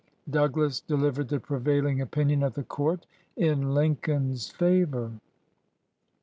153) Doug las delivered the prevailing opinion of the court in Lincoln's favor.